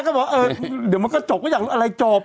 ก็บอกเออเดี๋ยวมันก็จบก็อยากอะไรจบ